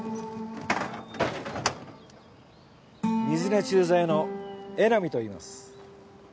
水根駐在の江波といいます。